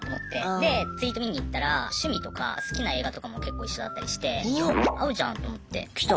でツイート見に行ったら趣味とか好きな映画とかも結構一緒だったりして合うじゃんと思って。